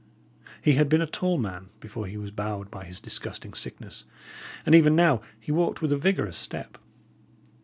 He had been a tall man before he was bowed by his disgusting sickness, and even now he walked with a vigorous step.